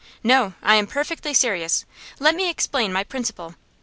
'No, I am perfectly serious. Let me explain my principle.